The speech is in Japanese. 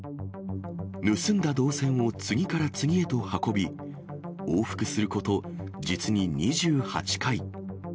盗んだ銅線を次から次へと運び、往復すること実に２８回。